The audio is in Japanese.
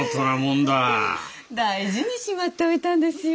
大事にしまっておいたんですよ。